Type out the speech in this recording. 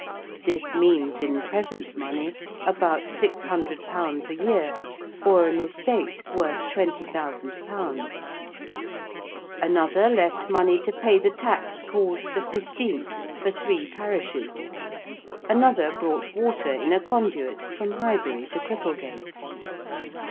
This means in present money about £600 a year, or an estate worth £20,000: another left money to pay the tax called the Fifteenth, for three parishes: another brought water in a conduit from Highbury to Cripplegate.